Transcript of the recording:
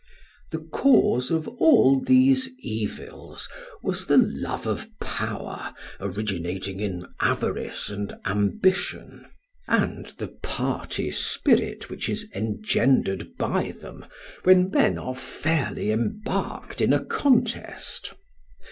"The cause of all these evils was the love of power originating in avarice and ambition, and the party spirit which is engendered by them when men are fairly embarked in a contest.